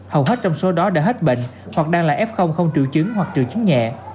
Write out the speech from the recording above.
hầu hết trong số đó đã hết bệnh hoặc đang là f không trừ chứng hoặc triệu chứng nhẹ